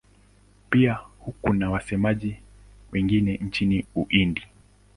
Pia kuna wasemaji wengine nchini Uhindi.